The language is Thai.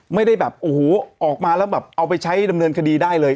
ไม่ได้แบบโอ้โหออกมาแล้วแบบเอาไปใช้ดำเนินคดีได้เลย